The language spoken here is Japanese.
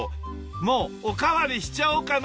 もうおかわりしちゃおうかな。